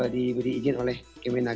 diberi izin oleh kemenag